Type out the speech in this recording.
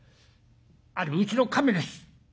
あれうちの亀です。